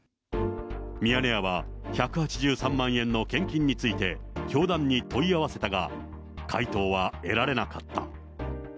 ミヤネ屋は１８３万円の献金について、教団に問い合わせたが、回答は得られなかった。